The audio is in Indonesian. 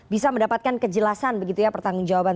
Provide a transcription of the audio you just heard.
bisa mendapatkan kejelasan begitu ya pertanggung jawaban